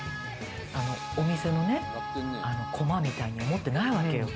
お店のコマみたいに思ってないわけよ。